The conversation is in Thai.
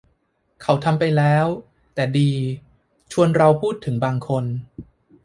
เขาทำไปแล้ว แต่ดี ชวนเราพูดถึงบางคน